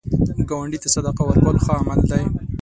ګاونډي ته صدقه ورکول ښه عمل دی